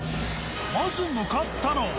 まず向かったのは。